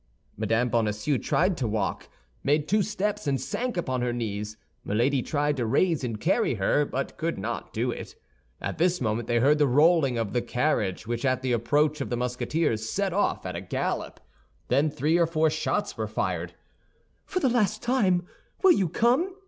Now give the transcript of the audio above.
Mme. Bonacieux tried to walk, made two steps, and sank upon her knees. Milady tried to raise and carry her, but could not do it. At this moment they heard the rolling of the carriage, which at the approach of the Musketeers set off at a gallop. Then three or four shots were fired. "For the last time, will you come?"